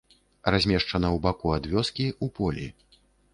Размешчана ў баку ад вёскі, у полі.